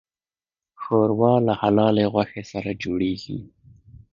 ښوروا له حلالې غوښې سره جوړیږي.